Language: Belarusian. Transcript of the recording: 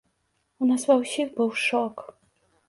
У нас ва ўсіх быў шок.